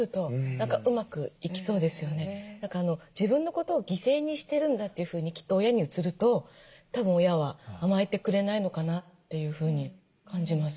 何か自分のことを犠牲にしてるんだというふうにきっと親に映るとたぶん親は甘えてくれないのかなというふうに感じます。